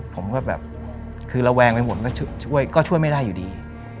ผมก็แบบคือระแวงไปหมดก็ช่วยก็ช่วยไม่ได้อยู่ดี